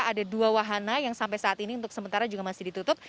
ada dua wahana yang sampai saat ini untuk sementara juga masih ditutup